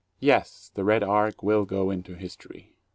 Yes, the "Red Ark" will go into history.